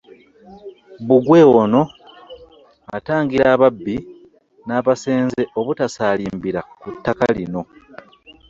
Bbugwe ono atangira ababbi n'abasenze obutasaalimbira ku ttaka lino